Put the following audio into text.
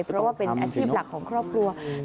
เพราะว่าเป็นอาชีพหลักของครอบครัว